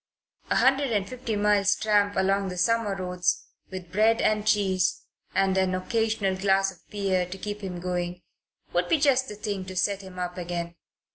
A hundred and fifty miles' tramp along the summer roads, with bread and cheese and an occasional glass of beer to keep him going, would be just the thing to set him up again.